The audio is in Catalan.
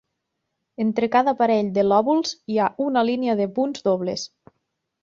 Entre cada parell de lòbuls hi ha una línia de punts dobles.